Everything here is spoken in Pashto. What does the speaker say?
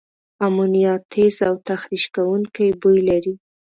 امونیا تیز او تخریش کوونکي بوی لري.